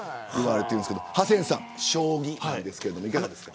ハセンさん、将棋ですがいかがですか。